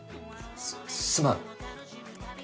すすまん。